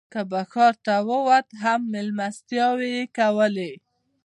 که به ښکار ته ووت هم مېلمستیاوې یې کولې.